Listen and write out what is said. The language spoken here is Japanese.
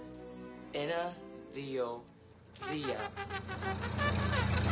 エナディオディア。